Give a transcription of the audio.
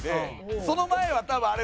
その前は多分あれですね